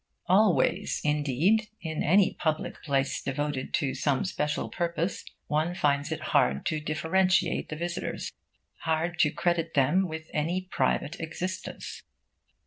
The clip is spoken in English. Always, indeed, in any public place devoted to some special purpose, one finds it hard to differentiate the visitors, hard to credit them with any private existence.